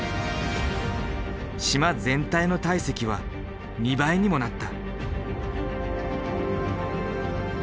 島全体の体積は２倍にもなった。